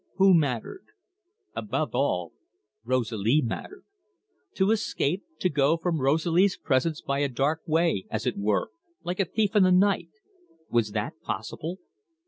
Who mattered? Above all, Rosalie mattered. To escape, to go from Rosalie's presence by a dark way, as it were, like a thief in the night was that possible?